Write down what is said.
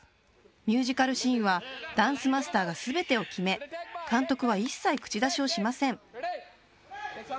ミュージカルシーンはダンスマスターが全てを決め監督は一切口出しをしません